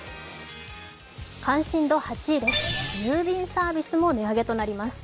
関心度８位です、郵便サービスも値上げとなります。